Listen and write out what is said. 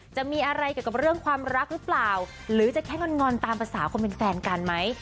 จะมีอะไรเกี่ยวกับเรื่องความรักหรือเปล่าหรือจะแค่งอนตามภาษาคนเป็นแฟนกันไหม